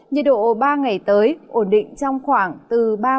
nhiệt độ ba ngày tới ổn định trong khoảng từ ba mươi